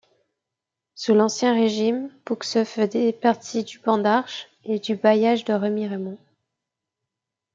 Sous l'Ancien Régime, Pouxeux faisait partie du ban d'Arches et du bailliage de Remiremont.